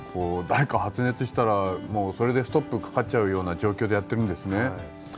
誰か発熱したらもうそれでストップかかっちゃうような状況でやってるんですね。